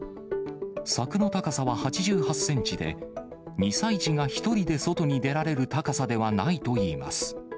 柵の高さは８８センチで、２歳児が１人で外に出られる高さではないといいます。